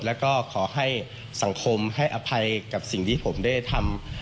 แล้วก็ขอให้สังคมให้อภัยกับสิ่งที่ผมได้ทำ